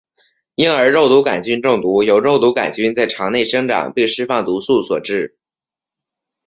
婴儿肉毒杆菌中毒由肉毒杆菌在肠内生长并释放毒素所致。